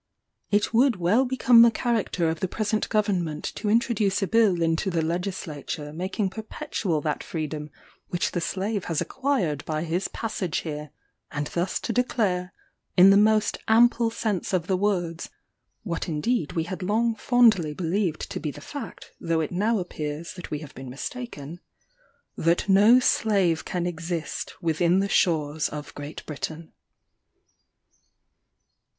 It would well become the character of the present Government to introduce a Bill into the Legislature making perpetual that freedom which the slave has acquired by his passage here, and thus to declare, in the most ample sense of the words, (what indeed we had long fondly believed to be the fact, though it now appears that we have been mistaken,) THAT NO SLAVE CAN EXIST WITHIN THE SHORES OF GREAT BRITAIN.